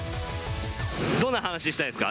どんな話したいですか？